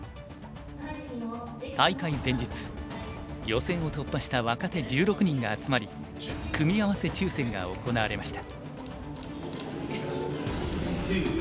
大会前日予選を突破した若手１６人が集まり組み合わせ抽選が行われました。